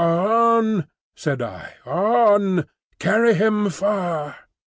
"On!" said I, "on! Carry him far."